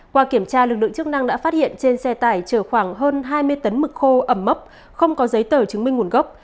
qua kiểm tra lực lượng chức năng đã phát hiện trên xe tải chở khoảng hơn hai mươi tấn mực khô ẩm mốc không có giấy tờ chứng minh nguồn gốc